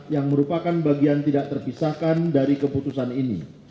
yang merupakan bagian tidak terpisahkan dari keputusan ini